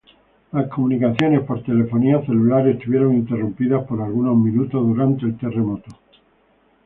Las comunicaciones por telefonía celular estuvieron interrumpidas por algunos minutos durante el terremoto.